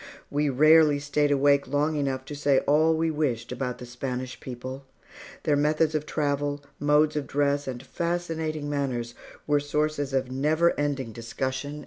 We rarely stayed awake long enough to say all we wished about the Spanish people. Their methods of travel, modes of dress, and fascinating manners were sources of never ending discussion and interest.